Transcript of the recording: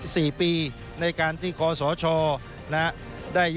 ส่วนต่างกระโบนการ